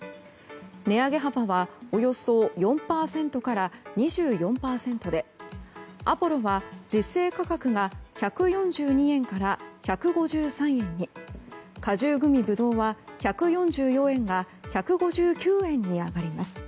値上げ幅はおよそ４％から２４％でアポロは、実勢価格が１４２円から１５３円に果汁グミぶどうは、１４４円が１５９円に上がります。